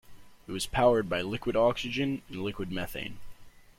It was powered by liquid oxygen and liquid methane.